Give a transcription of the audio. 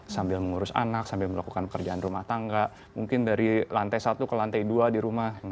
sambil mengurus anak sambil melakukan pekerjaan rumah tangga mungkin dari lantai satu ke lantai dua di rumah